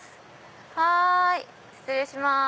はい失礼します。